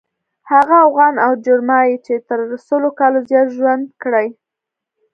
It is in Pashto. هغه اوغان او جرما چې تر سلو کالو زیات ژوند کړی.